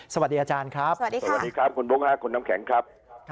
สวัสดีอาจารย์ครับสวัสดีครับคุณบุ๊คคุณน้ำแข็งครับ